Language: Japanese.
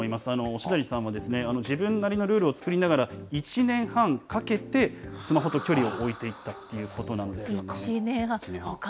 忍足さんは自分なりのルールを作りながら、１年半かけて、スマホと距離を置いていったということなんですよね。